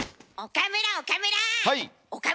岡村岡村！